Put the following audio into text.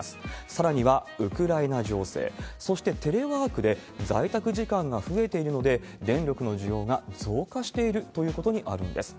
さらにはウクライナ情勢、そして、テレワークで在宅時間が増えているので、電力の需要が増加しているということにあるんです。